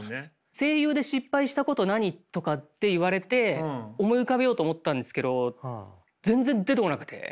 「声優で失敗したこと何？」とかって言われて思い浮かべようと思ったんですけど全然出てこなくて。